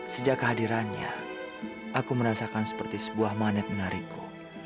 sejak kehadirannya aku merasakan seperti sebuah magnet menarikku